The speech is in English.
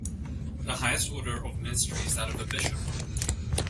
The highest order of ministry is that of a Bishop.